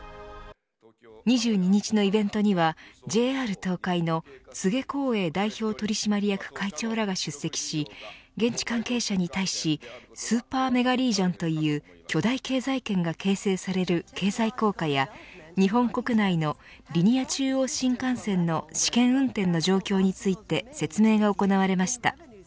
２２日のイベントにはＪＲ東海の柘植康英代表取締役会長らが出席し現地関係者に対しスーパーメガリージョンという巨大経済圏が形成される経済効果や日本国内のリニア中央新幹線の試験運転の状況について説明が行われました。